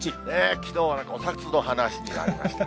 きのうはお札の話になりましたね。